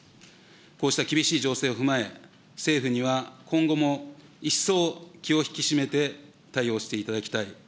こうした厳しい情勢を踏まえ、政府には今後も一層気を引き締めて対応していただきたい。